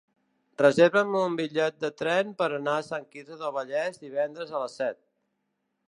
Reserva'm un bitllet de tren per anar a Sant Quirze del Vallès divendres a les set.